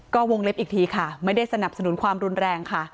ก็วงเล็บอีกทีค่ะไม่ได้สนับสนุนความรุนแรงค่ะ